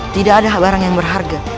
tidak ada barang yang berharga